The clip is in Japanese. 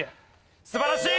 素晴らしい！